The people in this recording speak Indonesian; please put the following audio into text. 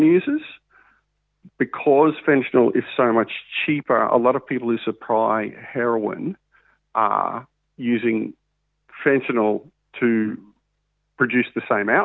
menggunakan fentanyl untuk membuat hasil yang sama seperti heroin pada harga yang lebih murah